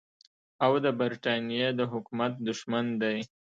او د برټانیې د حکومت دښمن دی.